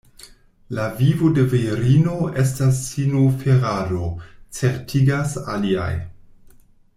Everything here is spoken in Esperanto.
La vivo de virino estas sinoferado, certigas aliaj.